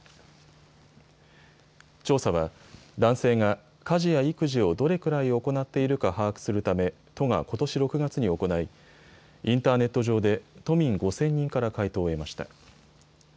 調査は男性が家事や育児をどれくらい行っているか把握するため都がことし６月に行いインターネット上で都民５０００人から回答を得ました。